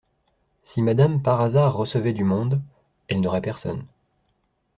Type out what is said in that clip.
Si madame, par hasard , recevait du monde… elle n’aurait personne.